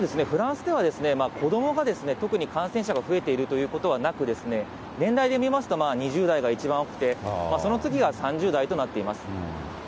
フランスでは、子どもが特に感染者が増えているということはなく、年代で見ますと２０台が一番多くて、その次は３０代となっています。